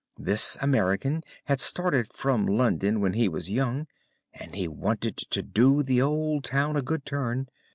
This American had started from London when he was young, and he wanted to do the old town a good turn.